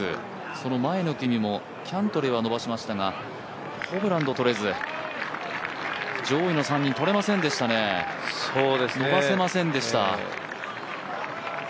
その前の組もキャントレーは伸ばしましたがホブランド取れず、上位の３人取れませんでしたね、伸ばせませんでした。